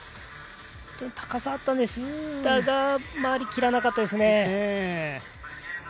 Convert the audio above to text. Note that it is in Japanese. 高さはあったんです、ただ回りきらなかったですね。